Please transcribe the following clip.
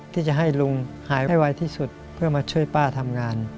ที่จะให้ลุงหายไวที่สุดเพื่อมาช่วยป้าทำงาน